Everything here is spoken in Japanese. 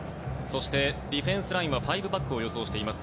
そして、ディフェンスラインは５バックを予想しています。